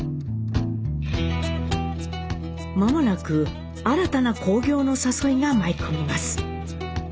間もなく新たな興行の誘いが舞い込みます。